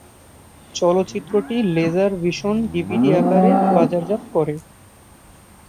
চলচ্চিত্রটি laser vision DVD আকারে বাজারজাত করে।